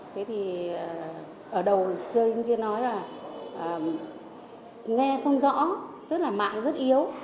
thế thì ở đầu xưa anh kia nói là nghe không rõ tức là mạng rất yếu